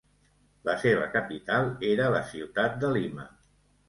La seva capital era la ciutat de Lima.